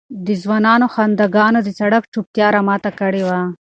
د ځوانانو خنداګانو د سړک چوپتیا را ماته کړې وه.